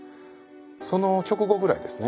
その直後ぐらいですね。